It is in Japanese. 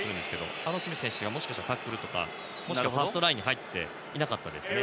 アーロン・スミス選手がタックルだとかもしくはファーストラインに入っていていなかったですね。